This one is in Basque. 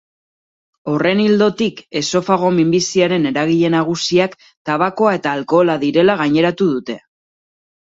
Horren ildotik, esofago minbiziaren eragile nagusiak tabakoa eta alkohola direla gaineratu dute.